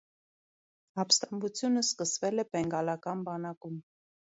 Ապստամբությունը սկսվել է բենգալական բանակում։